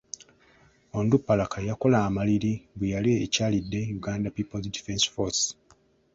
Onduparaka yakola amaliri bwe yali ekyalidde Uganda People's Defence Force.